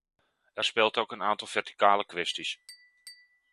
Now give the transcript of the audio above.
Er speelt ook een aantal verticale kwesties.